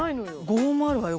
５本もあるわよ